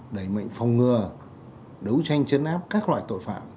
đẩy mạnh phòng ngừa đấu tranh chấn áp các loại tội phạm